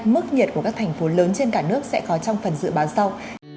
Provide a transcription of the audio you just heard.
mức nhiệt của các thành phố lớn trên cả nước sẽ có trong phần dự báo sau